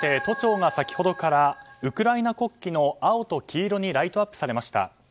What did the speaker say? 都庁が先ほどからウクライナ国旗の青と黄色にライトアップされました。